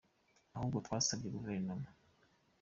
ahubwo twasabye Guverinoma.